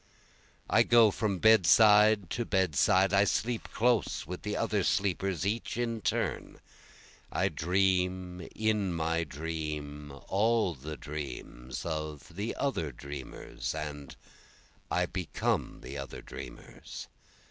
I go from bedside to bedside, I sleep close with the other sleepers each in turn, I dream in my dream all the dreams of the other dreamers, And I become the other dreamers.